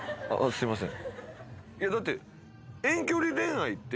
すいません。